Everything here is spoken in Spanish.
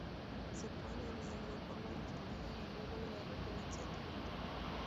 Se puede leer de forma resumida en el libro de la referencia adjunta.